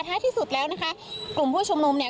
ที่สุดแล้วนะคะกลุ่มผู้ชุมนุมเนี่ย